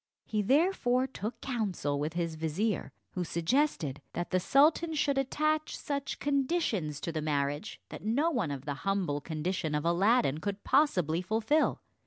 He therefore took counsel with his vizier, who suggested that the sultan should attach such conditions to the marriage that no one of the humble condition of Aladdin could possibly fulfill.